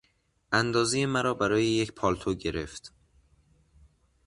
اندازهی مرا برای یک پالتو گرفت.